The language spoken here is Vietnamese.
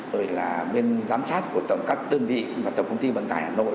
rồi là bên giám sát của tổng các đơn vị mà tổng công ty vận tải hà nội